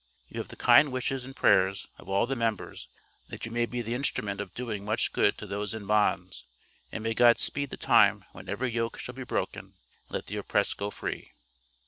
You have the kind wishes and prayers of all the members, that you may be the instrument of doing much good to those in bonds, and may God speed the time when every yoke shall be broken, and let the oppressed go free.